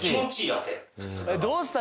どうした？